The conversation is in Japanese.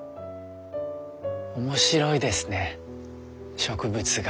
面白いですね植物学。